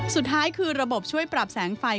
สุดท้ายคือระบบช่วยปรับแสงไฟ